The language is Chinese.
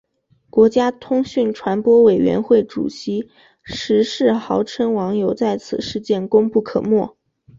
国家通讯传播委员会主委石世豪称网友在此事件功不可没。